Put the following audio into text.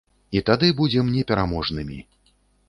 І тады будзем непераможнымі.